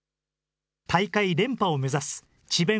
大会連覇を目指す智弁